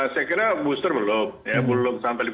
saya kira booster belum